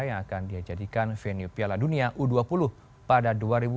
yang akan dijadikan venue piala dunia u dua puluh pada dua ribu dua puluh